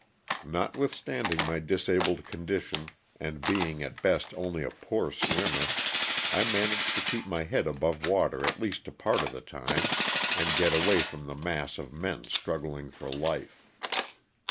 Notwithstanding my disabled condition and being at best only a poor swimmer, I managed to keep my head above water at least a part of the time, and get away from the mass of men struggling for life.